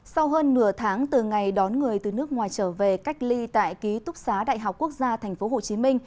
sau hơn nửa tháng từ ngày đón người từ nước ngoài trở về cách ly tại ký túc xá đại học quốc gia tp hcm